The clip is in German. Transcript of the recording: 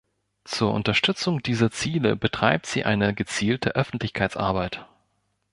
Zur Unterstützung dieser Ziele betreibt sie eine gezielte Öffentlichkeitsarbeit.